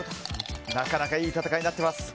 なかなかいい戦いになっています。